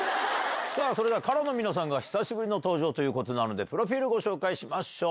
それではＫＡＲＡの皆さんが久しぶりの登場ということなので、プロフィールご紹介しましょう。